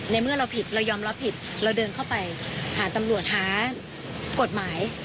เมื่อเราผิดเรายอมรับผิดเราเดินเข้าไปหาตำรวจหากฎหมาย